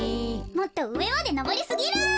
もっとうえまでのぼりすぎる。